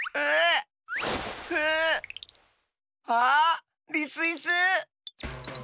あリスイス！